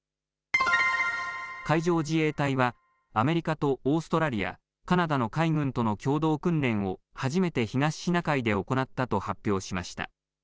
海上自衛隊は、アメリカとオーストラリア、カナダの海軍との共同訓練を初めて東シナ海で行ったと発表しました。